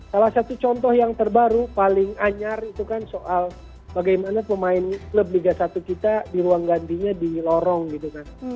salah satu contoh yang terbaru paling anyar itu kan soal bagaimana pemain klub liga satu kita di ruang gantinya di lorong gitu kan